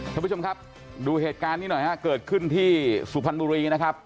ท่านผู้ชมครับดูเหตุการณ์นี้หน่อยฮะเกิดขึ้นที่สุพรรณบุรีนะครับ